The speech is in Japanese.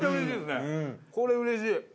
これうれしい。